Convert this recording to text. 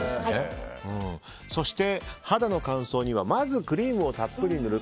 そして、肌の乾燥にはまずクリームをたっぷり塗る。